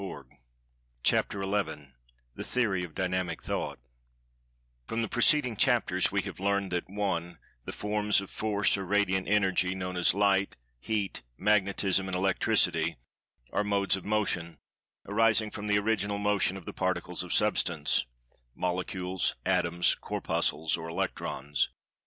[Pg 154] CHAPTER XI THE THEORY OF DYNAMIC THOUGHT FROM the preceding chapters we have learned that: (1) The forms of Force or Radiant Energy, known as Light, Heat, Magnetism and Electricity, are "Modes of Motion," arising from the Original Motion of the Particles of Substance (Molecules, Atoms, Corpuscles or Electrons).